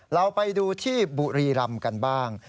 เราไปดูที่บุรีรำกันบ้าง